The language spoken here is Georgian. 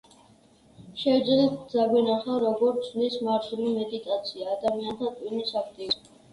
შევძელით დაგვენახა, როგორ ცვლის მართული მედიტაცია ადამიანთა ტვინის აქტივობას.